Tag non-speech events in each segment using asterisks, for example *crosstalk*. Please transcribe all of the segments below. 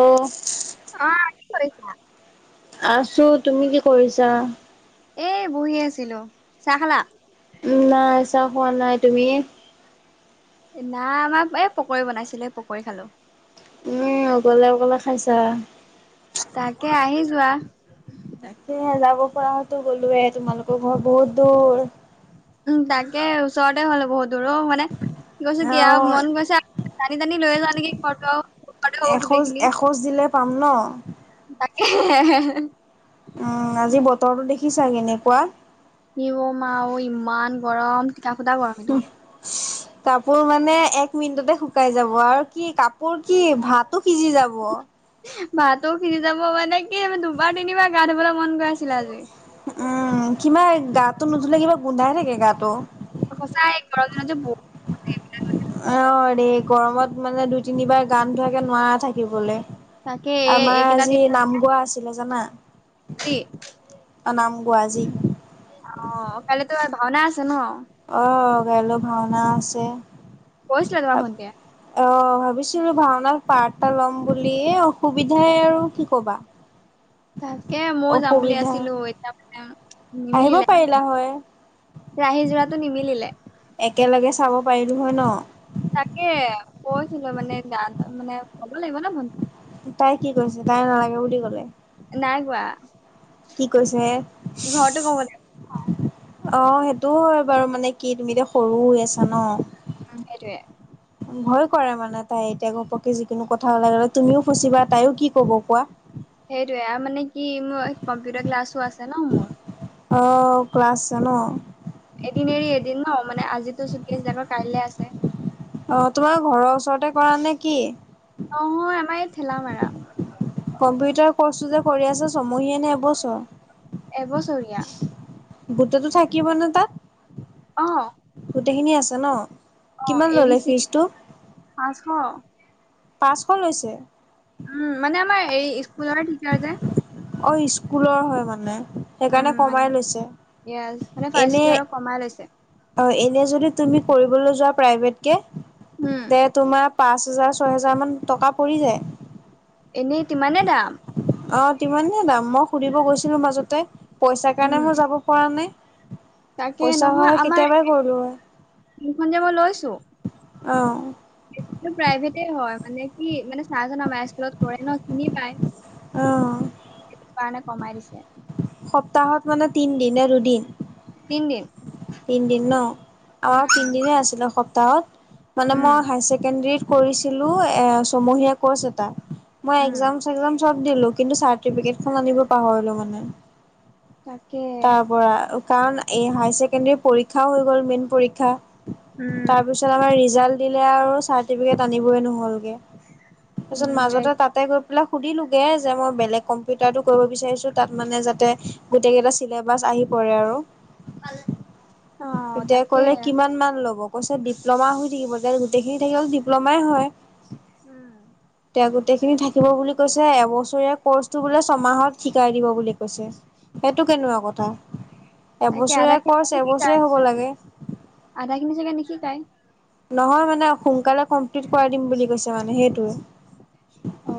অ', অ', কি কৰিছা? আছো তুমি কি কৰিছা? এহ বহি আছিলো, চাহ খালা? নাই চাহ হোৱা নাই তুমি? নাই আমাৰ এই পকৰী বনাইছিলো পকৰী খালো। উম অকলে-অকলে খাইছা, তাকে আহি যোৱা তাকে যাব পৰাতো গলোৱে তোমালোকৰ ঘৰত বহুত দূৰ। উম তাকে ওচৰতে হ'ল বহুত দূৰ‌ অ', মানে কি কৈছ কি আৰু অ', মন গৈছে টানি-টানি লৈ যাব নেকি ঘৰত আৰু এখোজ-এখোজ দিলে পাম ন' তাকেহে উম আজি বতৰটো দেখিছা কেনেকুৱা। ই অ মা ইমান গৰম তিকা ফটা গৰম এইটো কাপোৰ মানে এক মিনিটতে শুকাই যাব আৰু কি কাপোৰ কি ভাত সিজি যাব ভাতো সিজি যাব মানে কি দুবাৰ তিনিবাৰ গা ধুবলৈ মন গৈ আছিলে আজি কিবা গাটো নুধুলে কিবা গোন্ধাই থাকে গাটো *unintelligible* অ দেই গৰমত মানে দুই তিনিবাৰ গা নোধোৱাকে নোৱাৰা থাকিবলৈ তাকে এই আমাৰ আজি নাম গোৱা আছিলে জানা কি অনাম গুৱজী অ কাই তোমাৰ ভাওনা আছে ন অ কালৈ ভাওনা আছে *unintelligible* অ ভাবিছিলো ভাওনাত পাৰ এটা ল'ম বুলি অসুবিধাই আৰু কি কবা তাকে ময়ও যাম বুলি অসুবিধা আছিলো এতিয়া মানে আহিব নিমিলে পাৰিলা হয় ৰাহি যোৰাতটো নিমিলিলে একেলগে চাব পাৰিলোঁ হয় ন তাকে কৈছিলো মানে গাত মানে গা বে কব লাগিব ন ভন্টি তাই কি কৈছে তাই নালাগে বুলি কলে নাই কোৱা কি কৈছে অ ঘৰতো ক'ব লাগিব সেইটোও হয় বাৰু মানে কি তুমি এয়া সৰু হৈ আছা ন অ এৰুৱে ভয় কৰে মানে তাই এতিয়া গপকে যিকোনো কথা ওল গলে তুমিও ফুচিবা তাইও কি কব কোৱা সেইটোয়ে আৰু মানে কি মোৰ কম্পিউটাৰ ক্লাছো আছে ন মোৰ অ ক্লাছছে ন এদিন এৰি এদিন ন মানে আজিতো চটি *unintelligible* কাইলে আছে অ তোমাৰ ঘৰৰ ওচৰতে কৰা নে কি অহ আমাৰ এই ঠেলা মাৰা কম্পিউটাৰ কৰ্চো যে কৰি আছে চমহিয়ানে নে এবছৰ এবছৰীয়া গোটটো থাকিব নে তাত অ গোটেইখিনি আছে ন অ কিমান এ ডি ললে চি ফিজটো পাঁচশ পাঁচশ লৈছে উম মানে আমাৰ এই স্কুলৰে টিচাৰ যে অ স্কুলৰ হয় মানে সেইকাৰণে উম মান কমাই লৈছে। মানে ফাৰ্ষ্টি য়েৰ আৰু কমাৰ লৈছিলে *unintelligible* পাছ হেজাৰ ছয় হেজাৰমানান উম টকা পৰি যায় এনেই তিমানে দাম আহ তিমানহে দাম মই সুধিব গৈছিলো মাজতে পইচাৰ উম কাৰণে হে যাব পৰা নাই তাকে পইচা নহয় হয় কেতিয়াবাই কৰিলো হয় আমাৰখন যে মই লৈছো অ প্ৰাইভেটে হয় মানে কি মানে চাৰজনে আমাৰ স্কুলত কৰে ন চিনি পায় আহ সেইটো কাৰণে কমাই দিছে সপ্তাহত মানে তিন নে দুদিন তিনিদিন তিনদিন ন আমাক তিনদিনে আছিলে সপ্তাহত মানে উম মই হায় ছেকেণ্ডৰীত কৰিছিলো এ ছমহীয়া কৰ্চ এটা মই উম একাম চব দিলো কিন্তু চাৰট আনিব পাহৰিলো মানে তাকে তাৰ পৰা কাৰণ এই হায় ছেকেণ্ডী পৰীক্ষাও হৈ গল মেইন পৰীক্ষা উম তাৰ পিছত আমাৰ এক্সাম দিলে আও চাৰ্টিফিকেট আনিব নহল গে তাৰপাছত উম মাজতে এক- তাতে গৈ গৈপেলাই সুধিলোোগে যে মই বেলেগ কম্পিউটাৰ টো কৰিব বিচাৰিছো তাত মানে যাতে গোটেই কেইটা বাছ আহি পৰে আৰু অ এতিয়া তাকে কলে কিমান মান ল'ব কৈছে ডিপ্ল'মা হৈ থাকিব গোটেইখিনি থাকিল ডিপ্ল'মাই হয়। উম। এ, গোটেইখিনি থাকিব বুলি কৈছে এবছৰীয়া কৰ্চটো বোলে ছমাহত শিকাই দিব বুলি কৈছে সেইটো কেনেকোৱা কথা? তাকে আধা এবছৰীয়া খিনি কৰ্চ নিশিকাই এবছৰে হব লাগে। আধা খিনি চাগে নিশিকাই নহয় মানে সোনকালে কমপ্লিট কৰাই দিম বুলি কৈছে মানে সেইটোৱে। অ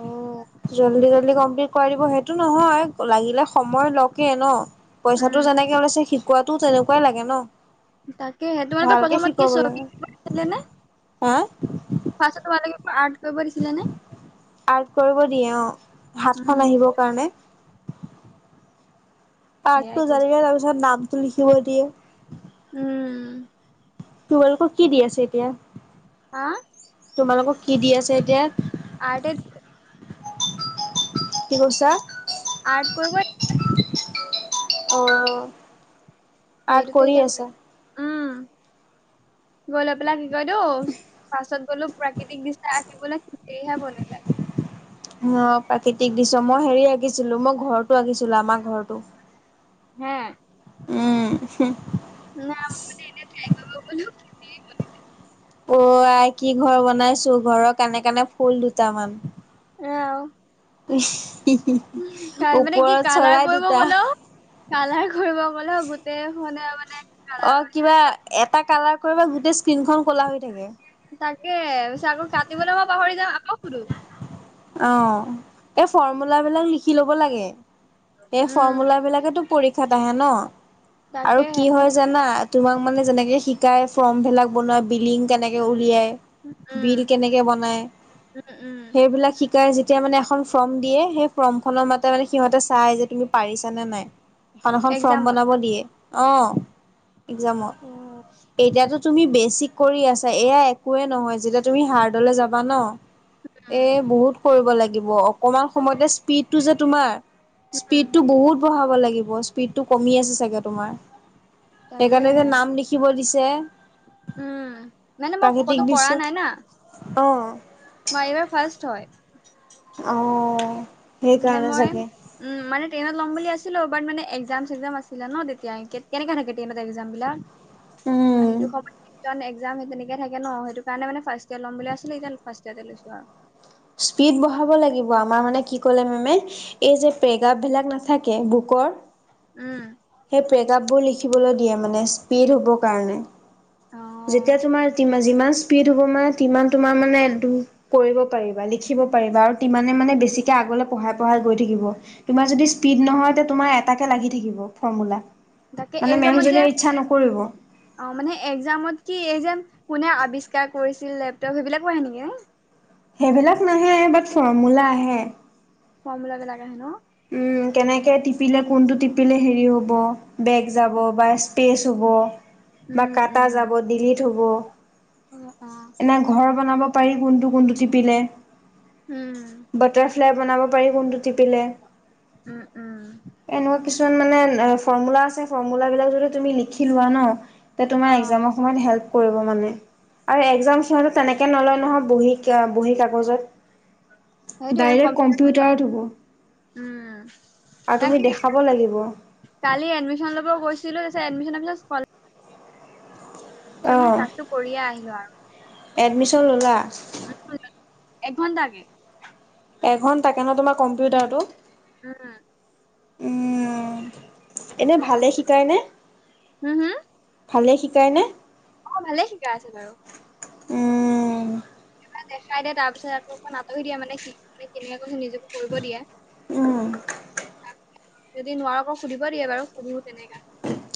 জল্দি হল। খ, কমপ্লিট কৰাই দিব সেইটো নহয় লাগিলে সময় লকে ন উম পইচাটো যেনেকে লৈছে শিকোৱাতুটো তেনেকুৱাই লাগে ন? তাকেহে তোমালোকক ভালকে প্ৰথমত কি শিকাব চবি লাগে। আঁকিব দিছিলেনে? হা? ফাৰ্ষ্টত তোমালোককো আৰ্ট কৰিব দিছিলেনে? আৰ্ট কৰিব দিয়ে অ' হাতখন উম আহিবৰ কাৰণে। সেয়াই কাৰ্ডটো কৰিছে জানিলে তাৰপিছত নামটো লিখিব দিয়ে। উম। তোমালোকক কি দি আছে এতিয়া, হা তোমালোকক কি দি আছে এতিয়া? আৰ্টে। কি কৈছা? আৰ্ট কৰিব অ' আৰ্ট সেইটোতে কৰি এতিয়া আছা? উম। গৈ লৈ পেলাই কি কয় দৌ পাছত গ'লো প্ৰাকৃতিক দৃশ্য আঁকিবলৈ হেৰিহে বনিলে। *inaudible* অ' প্ৰাকৃতিক দৃশ্য, মই হেৰি আঁকিছিলো মই ঘৰটো আঁকিছিলো আমাৰ ঘৰতো। হে। উম, হুহ। না এনেই ট্ৰাই কৰিব গলো হেনেই মানে। অ' আই কি ঘৰ বনাইছো ঘৰৰ কানে কানে ফুল দুটামান আ। মানে কি ওপৰত কালাৰ চৰাই কৰিব দুটা। গ'লেও কালাৰ কৰিব গলো গোটেই হনেপ অ' কিবা এটা কালাৰ কৰিবা গ তাকেই পিছে আকৌ কাটিবলৈ মই পাহৰি যাম আকৌ সুধো। অ' এই ফৰ্মুলাবিলাক লিখি ল'ব লাগে এই উম ফৰ্মুলাবিলাকেতো পৰীক্ষাত আহে ন আৰু তাকেহে কি হয় মোক জানা তোমাক মানে যেনেকে শিকো শিকাই ফৰ্মবিলাক বনোৱাই বিলিং কেনেকে উলিয়াই। বিল উম কেনেকে বনাই উম, উম। সেইবিলাক শিক যেতিয়া মানে এখন ফৰ্ম দিয়ে সেই ফৰ্ম খনৰ মাতে মানে সিহঁতে চাই যে তুমি পাৰিছা নে নাই। এখন এখন ফৰ্ম এক্সামত। বনাব দিয়ে। অ' এক্সামত উম, এতিয়াতো তুমি বেছিক কৰি আছা এয়া একোৱে নহয় যেতিয়া তুমি হাৰ্ডলে যাবা ন এ বহুত কৰিব লাগিব অকমান সময়তে স্পীডতটো যে তোমাৰ উম। স্পীডটো বহুত বঢ়াব লাগিব স্পীডটো কমি আছে চাগে তোমাৰ। সেইকাৰণে যে তাকেহে। নাম লিখিব দিছে। উম, মানে মই প্ৰাকৃতিক ক'তো দৃশ্য কৰা নাই না। অ'। মই এইবাৰ ফাৰ্ষ্ট হয়। অ'। মানে সেইকাৰণে মই চাগে। উম' মানে টেইনত ল'ম বুলি আছিলোঁ, বাট মানে এক্সাম চেকজাম আছিলে ন তেতিয়া কেনেকে থাকে টেইনতে এক্সাম বিলাক? অ' উম। সেইটো সময় তই এক্স এক্সাম তেনেকে থাকে ন সেইটো কাৰনে মানে ফাৰ্ষ্ট য়াৰ ল'ম বুলি আছিলোঁ, এতিয়া ফাষ্ট য়াৰতে লৈছোঁ আৰু। স্পীড বঢ়াব লাগিব, আমাৰ মানে কি ক'লে মেমে এই যে পেগাপ বিলাক নাথাকে বুকৰ উম' সেই পেগাপবোৰ লিখিবলৈ দিয়ে মানে স্পীড হ'বৰ কাৰণে। যেতিয়া অ', তোমাৰ টিমৰ যিমান স্পীড হ'ব মানে যিমান তোমাৰ মানে কৰিব পাৰিবা, লিখিব পাৰিবা আৰু সিমানে মানে বেছিকে আগলে পঢ়াই-পঢ়াই গৈ থাকিব। তোমাৰ যদি স্পীড নহয় তে তোমাৰ এটাকে লাগি থাকিব ফৰ্মোলা। তাকে এক্জামত যে অ' মানে এক্জামত কি এই যে কোনে আৱিষ্কাৰ কৰিছিল লেপটপ সেইবিলাকো আহে নেকি? উম' সেইবিলাক নাহে বাট ফৰ্মোলা আহে। ফ্ৰম বিলাক লাগে হেনো উম' কেনেকে টিপিলে, কোনটো টিপিলে হেৰি হ'ব বেগ যাব বা স্পেচ হ'ব বা উম, কাটা যাব, উম। ডিলীট হ'ব। অ', অ', এনে ঘৰ বনাব পাৰি কোনটো-কোনটো টিপিলে। উম' ঘৰ বনাৱ পাৰি কোনটো টিপিলে, উম, উম, এনেকুৱা কিছুমান মানে এ ফৰ্মোলা আছে, ফৰ্মোলা বিলাক যদি তুমি লিখি লোৱা ন, তে তোমাৰ অ', এক্সামৰ সময়ত হেল্প কৰিব মানে। আৰু একজাম সটো তেনেকে নলয় নহয় বহী বহী কাগজত। সেইটোৱে দাইৰেক কম্পিউটাৰ কম্পিউটাৰত হ'ব। উম আৰু তুমি বাকী, দেখাব লাগিব কালি এডমিশন ল'ব গৈছিলো। চে, এডমিশনৰ পিছত স্কলা অঁ কৰিয়ে আহিলোঁ আৰু এডমিশন ল'লা? এঘণ্টা কে এঘণ্টাকে ন তোমাৰ কম্পিউটাৰটো? উম। উম, এনেই ভালে শিকায়নে? ভালেই শিকায়নে? অঁ, ভালেই শিকাই আছে বাৰু। ওম মানে দেখাই দিয়ে তাৰ পিছত আকৌ অকমাণ আতৰি দিয়ে মানে কি মানে কেনেকে কৈছো নিজকে কৰিব দিয়ে উম। যদি নোৱাৰো কৌ সুধিব দিয়ে বাৰু সুধো তেনেকা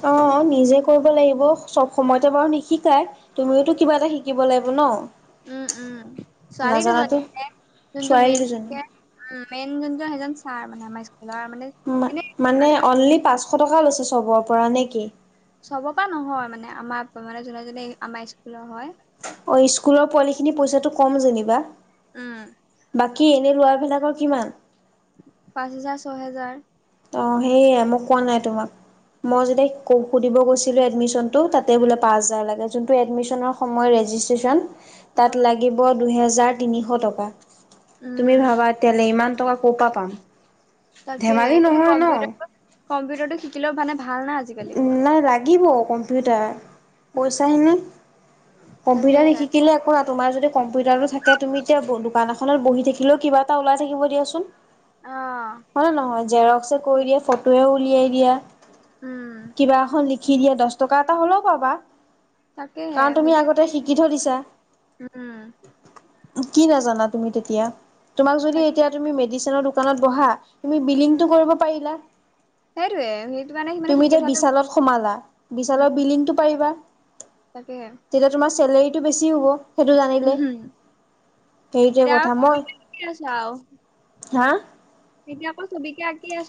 অঁ নিজে কৰিব লাগিব, চব সময়তে বাৰু নিশিকাই তুমিওতো কিবা এটা শিকিব লাগিব ন। উম উম। উম ছোৱালী দুজনী, নাজানাতো মানে যোনটো ছোৱালী মেইন দুজনী। কোকে মেইন যোন সেইজন ছাৰ মানে আমাৰ স্কু মা মানে অনলি পাঁচশ টকা লৈছে চবৰ পৰা নে কি? চব পা নহয় মানে, আমাৰ পা মানে যোনে জোনে আমাৰ স্কুলৰ হয়। অ' স্কুলৰ পোৱালিখিনি পইচাটো কম যেনিবা উম। বাকী এনেই লোৱা বেলেগৰ কিমান? পাঁচ হোজাৰ, ছয় হেজাৰ অ' সেই মোক কোৱা নাই তোমাক মই যদি কফু দিব গৈছিলোঁ এডমিশ্যন। যোনটো তাতে বোলে পাচঁ হাজাৰ লাগে যোনটো এডমিশ্যন সময়ত ৰেজিষ্ট্ৰেচন তাত অ', লাগিব দুহেজাৰ হাজাৰ তিনিশ টকা। তুমি ভাবা উম। তেতিয়াহ'লে ইমান টকা ক'ৰ পৰা পাম ধেমাজ লী নহয় ন'। কম্পিটাৰটো শিকিলে মানে ভাল না আজিকালি উম, নাই লাগিব কম্পিউটাৰ। কৈছা হনি কম্পিউটাৰ তাকেহে। শি-শিকিলে আকৌ তোমাৰ যদি কম্পিউটাৰটো থাকে তুমি এতিয়া দোকান এখনত বহি থাকিলেও কিবা এটা ওলাই থাকিব দিয়াচোন। অ', হয়, নহয় জেৰক্সে সেইটোৱে কৰি দিয়া, ফটোয়ে উলিয়াই দিয়া। উম, কিবা এখন লিখি দিয়ে দশ টকা এটা হ'লেও পাবা। কাৰণ তুমি আগতে শিকি থৈ দিছা। উউম। কি নাজানা তুমি তেতিয়া, তোমাক যদি এতিয়া তুমি মেডিচিনৰ দোকানত বহা তুমি উম, বিলিংটো কৰিব পাৰিলা। সেইটোৱে সে তুমি এতিয়া বিশালত সোমালা, ভাল বিশালৰ বিল্ডিংটো পাৰিবা। তাকেহে। তেতিয়া তোমাৰ চলেৰীটো বেছি হ'ব। সেইটো জানিলে, উম, সেইটোৱে এতিয়া আৰু কথা, কি আছো আৰু মই হা? এতিয়া আকৌ ছবিকে আঁকি আছ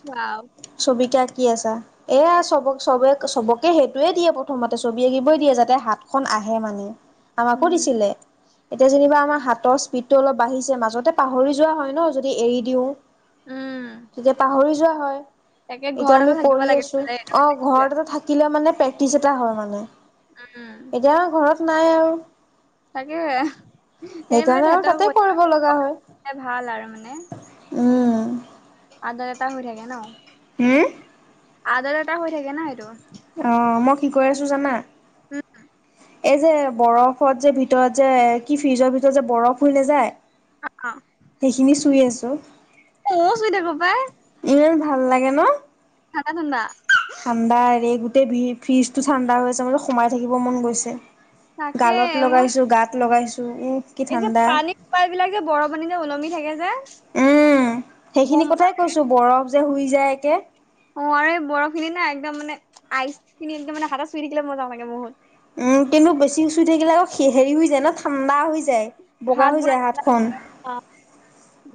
ছবিকে কি আছা, এয়া চবক-চবে-চবক এ সেইটোৱে দিয়ে প্ৰথমতে, ছবি আঁকিবই দিয়ে যাতে হাতখন আহে মানে। আমাকো উম, দিছিলে। এতিয়া যেনিবা আমাৰ হাতৰ স্পীডটো অলপ বাঢ়িছে মাজতে পাহৰি যোৱা হয় ন' যদি এৰি দিওঁ। উম। তেতিয়া পাহৰি যোৱা হয়। তাকে এতিয়া ঘৰতে আমি থাকিব কৰি লাগে আছোঁ, অ', ঘৰত এটা থাকিলে মানে প্ৰেক্টিচ এটা হয়, মানে। উম। এতিয়া ঘৰত নাই আৰু। তাকে। সেই মানে সেইকাৰণে আৰু তেহেতৰ তাতে কৰিব লগা হয়, ভাল আৰু উম। আদৰ এটা হৈ থাকে ন? হম আদৰ এটা হৈ থাকে ন! এইটো? অ', মই কি কৰি আছোঁ জানা? *unintelligible* এই যে, বৰফত যে, ভিতৰত যে, কি ফ্ৰিজৰ ভিতৰত যে, বৰফ হৈ নেযায়? অ সেইখিনি চুই আছোঁ। ময়ো চুই থাকো পাই ইমান ভাল লাগে ন? ঠাণ্ডা ঠাণ্ডা ঠাণ্ডাৰে গোট তে, ভি-ফ্ৰিজটো ঠাণ্ডা হৈ আছে, মানে সোমাই থাকিব মন গৈছে। তাকে, গালত মোৰ লগাইছো গাত লগাইছো উহ কি এই যে, ঠাণ্ডা পানী *unintelligible* যে, বৰফ এনেকে উ উলমি থাকে যে উম, বৰ সেইখিনি মজা কথাই লাগে কৈছোঁ, বৰফ যে, হুই যায় একে অ', আৰু এই বৰফখিনি না, একদম মানে আইচখিনি এনেকে মানে হাতে চুই থাকিলে মজা লাগে বহুত উম, কিন্তু বেছি চুই থাকিলে আকৌ হেৰি হৈ যায় ন' ঠাণ্ডা হৈ যায়, বগা হাত হৈ পুৰা যায় হাতখন। অ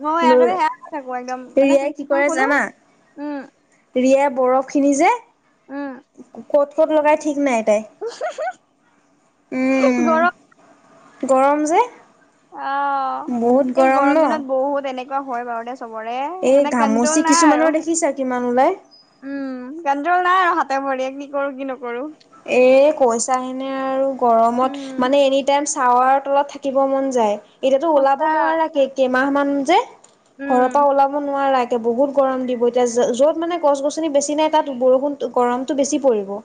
মই আগতে সেয়া কৰি থাকো একদম *unintelligible* মানে ৰিয়াই কি ফ্ৰিজখন কৰে খোলো জানা? উম ৰিয়াই বৰফখিনি যে, ক'ত, ক'ত লগাই ঠিক নাই। তাই উম গৰ গৰম যে অ', বহুত এই ন গৰম দিনত বহুত এনেকুৱা হয়, বাৰু দে চবৰে এই মানে ঘামচি কনট্ৰল নাই আৰু কিছুমানৰ দেখিছা কিমান ওলাই উম। কেঞজল নাই আৰু হাতে ভৰি কি কৰো কি নকৰো এ কৈছাহিনে আৰু গৰমত উম। মানে এনিটাইম চাৱাৰ তলত থাকিব মন যায় এতিয়াাতো সঁচা ওলাব নোৱাৰাকেই কেইমাহ মান যে উম, ঘৰৰ পৰা ওলাব নোৱাৰা এয়া বহুত গৰম দিব এতিয়া যত মানে গছ গছনি বেছি নাই তাত বৰষুণ গৰমতটো বেছি পৰিব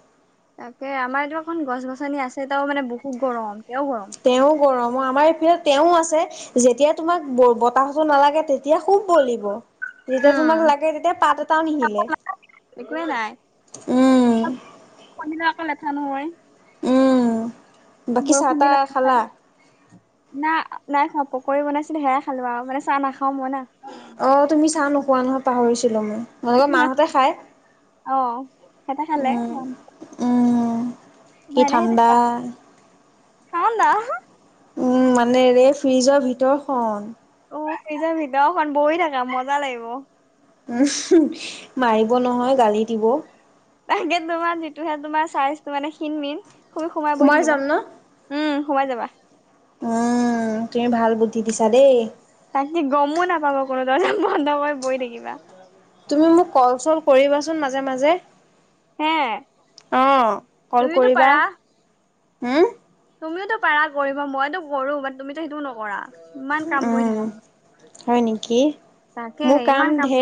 তাকে আমাৰ এইা এখন গছ গছনি আছে এ তাও মানে বহুত গৰম এতিয়াও গৰম। তেওঁ কৰম মই আমাৰ এইফিলে তেওঁ আছে যেতিয়া তোমাক বতাহতো নালাগে তেতিয়া খুব বলিব যেতিয়া উম, তোমাক লাগে তেতিয়া পাত এটাও নিশিলে উম কনে নো আক লেথা নহয়। উম। বাকী চাহ বৰষুণ তাহ দিলে খালা না নাই খোৱা মই পকৰী বনাইছিলো সেয়াই খালো আৰু মানে চাহ নাখাওঁ মই না অ তুমি চাহ নোখোৱা নহয় পাহৰিছিলো মই হলেও মাসতে খাই অ', সিহঁতে খালে উম উম কি মই এনেহে ঠাণ্ডা থাকো আৰু *unintelligible* উম মানে ৰে ফ্ৰিজৰ ভিতৰখন অ এই যে ভিতৰখন বহি থাকা মজা লাগিব উ মাৰিব নহয় গালি দিব। তাকে তোমাৰ যিটোহে তোমাৰ চাইজটো মানে খিন মিন তুমি সোমাই বহি থাকিবা যাম ন? উম। সোমাই যাবা। উম তুমি ভাল বুদ্ধি দিছা দেই। তাকে গমো নাপাব কোনো ধৰণ বন্ধ কৰি বহি থাকিবা। তুমি মোক কল চল কৰিবাচোন মাজে মাজে। হে অ কল তুমিতো কৰিবা পাৰা। হম। তুমিওতো পাৰা কৰিব মইতো কৰোঁ ব তুমিতো সেইটোও নকৰা। ইমান কাম কৰি উম, থাকা হয় নেকি? মোৰ তাকেহে ইমান কাম কৰি ধেৰ